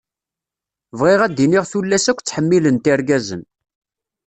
Bɣiɣ ad d-iniɣ tullas akk ttḥemmilent irgazen.